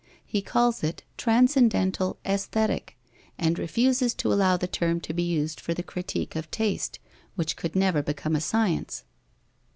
He calls it Transcendental Aesthetic, and refuses to allow the term to be used for the Critique of Taste, which could never become a science.